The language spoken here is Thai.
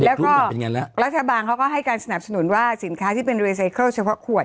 แล้วก็รัฐบาลเขาก็ให้การสนับสนุนว่าสินค้าที่เป็นรีไซเคิลเฉพาะขวด